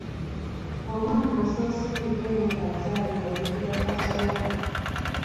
Omwana asoosa ebigere ng'azalibwa ayitibwa Kasowole.